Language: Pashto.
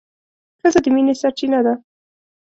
ښځه د مينې سرچينه ده